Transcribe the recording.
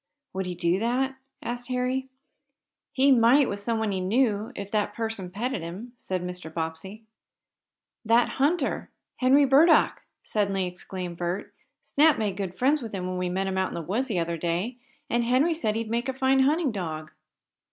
"Would he do that?" asked Harry. "He might with someone he knew, if that person petted him," said Mr. Bobbsey. "That hunter Henry Burdock!" suddenly exclaimed Bert. "Snap made great friends with him when we met him out in the woods the other day, and Henry said he'd make a fine hunting dog."